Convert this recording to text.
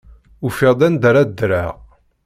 Ufiɣ-d anda ara ddreɣ.